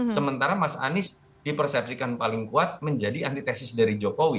sementara mas anies dipersepsikan paling kuat menjadi antitesis dari jokowi